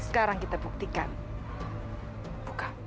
sekarang kita buktikan buka